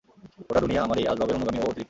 গোটা দুনিয়া আমার এই আসবাবের অনুগামী ও অতিরিক্ত।